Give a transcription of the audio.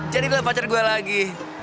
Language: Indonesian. jadi lu pacar gue lagi